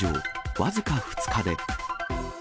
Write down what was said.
僅か２日で。